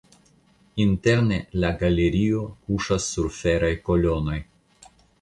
Interne la galerio kuŝas sur feraj kolonoj.